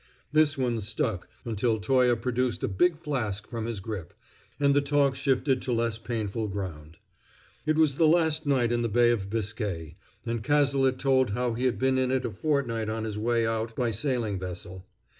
This one stuck until Toye produced a big flask from his grip, and the talk shifted to less painful ground. It was the last night in the Bay of Biscay, and Cazalet told how he had been in it a fortnight on his way out by sailing vessel.